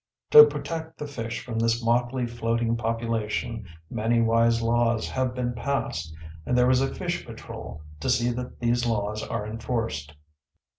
To protect the fish from this motley floating population many wise laws have been passed, and there is a fish patrol to see that these laws are enforced.